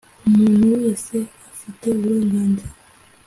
Umuntu wese afite uburenganzira .